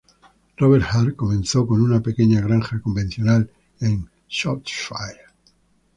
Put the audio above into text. Robert Hart comenzó con una pequeña granja convencional en Shropshire.